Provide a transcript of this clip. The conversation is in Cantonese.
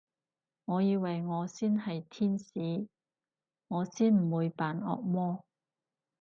我以為我先係天使，我先唔會扮惡魔